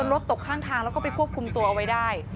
รถตกข้างทางแล้วก็ไปควบคุมตัวเอาไว้ได้